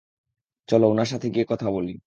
চলো, উনার সাথে গিয়ে কথা বলি।